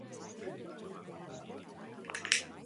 Euren bizi esparrua latitude altuetan zegoen, poloetatik gertu.